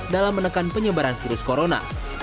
dalam menekan penyebaran virus corona